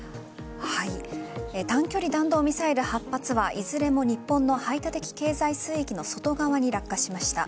短距離弾道ミサイル８発はいずれも日本の排他的経済水域の外側に落下しました。